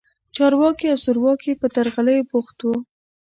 چارواکي او زورواکي په درغلیو بوخت وو.